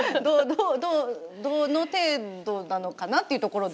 どの程度なのかなっていうところですよね。